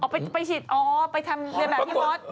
ไปฉีดอ๋อไปทำเรียนแบบพี่มอส